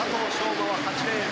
馬は８レーン。